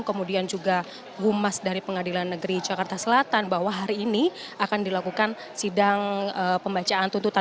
kemudian juga humas dari pengadilan negeri jakarta selatan bahwa hari ini akan dilakukan sidang pembacaan tuntutan